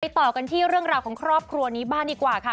ต่อกันที่เรื่องราวของครอบครัวนี้บ้างดีกว่าค่ะ